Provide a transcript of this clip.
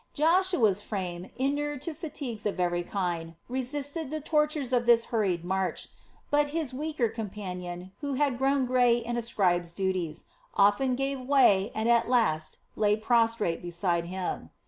Joshua's frame, inured to fatigues of every kind, resisted the tortures of this hurried march; but his weaker companion, who had grown grey in a scribe's duties, often gave way and at last lay prostrate beside him.